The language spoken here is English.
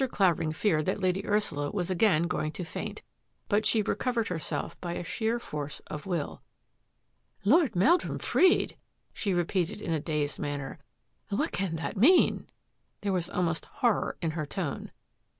Clavering feared that Lady Ursula was again going to faint, but she recovered herself by sheer force of will. " Lord Meldrum freed !" she repeated in a dazed manner. " What can that mean? " There was almost horror in her tone.